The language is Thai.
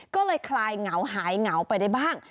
ก็เลยคลายเหงาหายเหงาไปได้บ้าง